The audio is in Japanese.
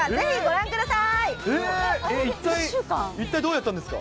ぜひご覧ください。